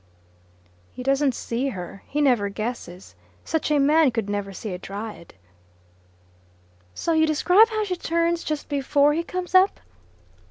"He doesn't see her. He never guesses. Such a man could never see a Dryad." "So you describe how she turns just before he comes up?"